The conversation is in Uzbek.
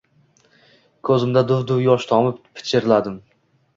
Ko`zimdan duv-duv yosh tomib, pichirladim